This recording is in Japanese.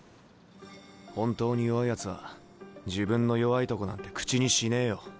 本当に弱いやつは自分の弱いとこなんて口にしねえよ。